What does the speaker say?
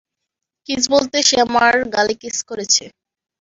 Kiss বলতে, সে আমার গালে কিস করেছে।